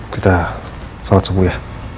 kita salat sembuh ya